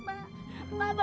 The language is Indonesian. bapak ayah serius pak